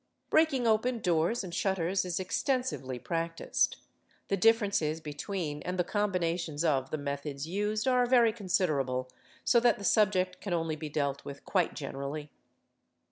Breaking open doors and shutters is extensively practised ; the differ ences between and the combinations of the methods used are very con siderable, so that the subject can only be dealt with quite generally.